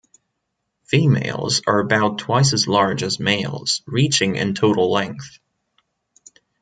Females are about twice as large as males, reaching in total length.